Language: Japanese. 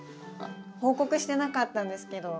報告してなかったんですけど。